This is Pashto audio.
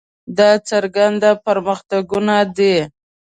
دا څرګند پرمختګونه دي.